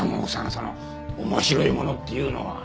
その「面白いもの」っていうのは。